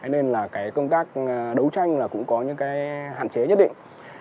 nên công tác đấu tranh cũng có những hạn chế nhất định